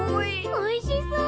おいしそう。